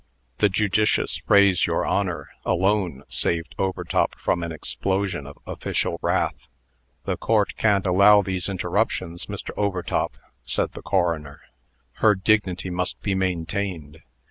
The judicious phrase, "Your Honor," alone saved Overtop from an explosion of official wrath. "The Court can't allow these interruptions, Mr. Overtop," said the coroner. "Her dignity must be maintained.